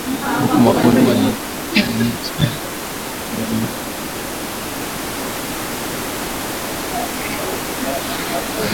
Huku makundi ya wanajihadi yenye uhusiano na al-Qaeda na kundi la dola ya Kiislamu yakijaribu kupata udhibiti wa maeneo ambayo yaliwahi kuwa na amani